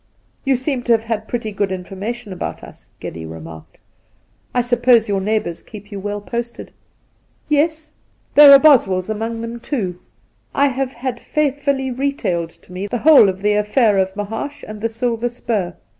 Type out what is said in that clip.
,' You seem to have had pretty good information about us,' Geddy remarked. ' I suppose your neighbours keep you well posted ?'' Yes ; there are Boswells among them, too. I have had faithfully retailed to me the whole of the aflfair of Mahaash and the silver spur.